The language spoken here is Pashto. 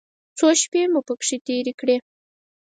څو شېبې مو پکې تېرې کړې.